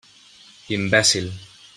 Imbècil.